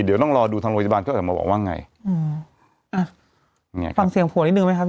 เดี๋ยวต้องรอดูทางโรงพยาบาลก็จะมาบอกว่าไงอืมฟังเสียงผัวนิดหนึ่งไหมครับ